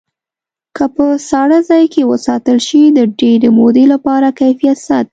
که په ساړه ځای کې وساتل شي د ډېرې مودې لپاره کیفیت ساتي.